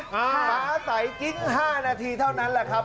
ฟ้าไสกิ๊ง๕นาทีเท่านั้นแหละครับ